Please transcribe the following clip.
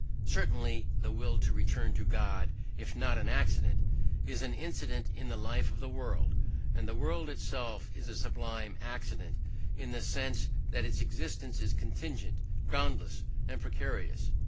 Certainly the will to "return to God", if not an accident, is an incident in the life of the world; and the whole world itself is a sublime accident, in the sense that its existence is contingent, groundless, and precarious.